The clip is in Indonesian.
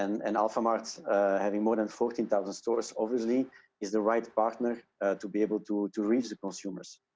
dan alphamart memiliki lebih dari empat belas perusahaan jelas adalah partner yang tepat untuk mencapai para konsumen